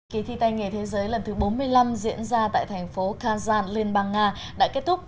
kỳ thi tay nghề thế giới lần thứ bốn mươi năm diễn ra tại thành phố kazan liên bang nga đã kết thúc